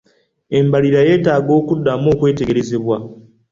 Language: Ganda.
Embalirira yeetaaga okuddamu okwetegerezebwa.